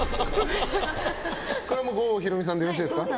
これは郷ひろみさんでよろしいですか。